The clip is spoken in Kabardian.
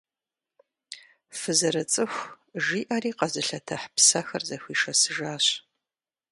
Фызэрыцӏыху, — жиӏэри къэзылъэтыхь псэхэр зэхуишэсыжащ.